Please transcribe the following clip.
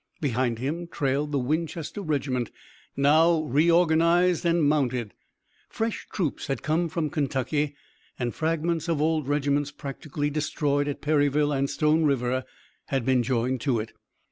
Behind him trailed the Winchester regiment, now reorganized and mounted. Fresh troops had come from Kentucky, and fragments of old regiments practically destroyed at Perryville and Stone River had been joined to it.